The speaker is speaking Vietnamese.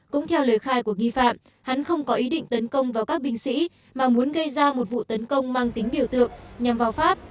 cũng theo lời khai của nghi phạm hắn không có ý định tấn công vào các binh sĩ mà muốn gây ra một vụ tấn công mang tính biểu tượng nhằm vào pháp